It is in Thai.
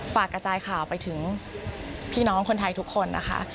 ฝากกระจายข่าวไปถึงพี่น้องคนไทยทุกคนนะคะ